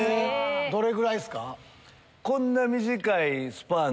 どれぐらいっすか？